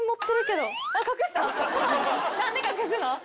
何で隠すの？